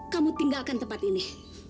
kamu tinggalkan tempat ini